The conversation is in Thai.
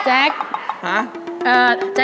อ่า